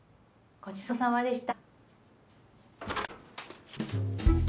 ごちそうさまでした。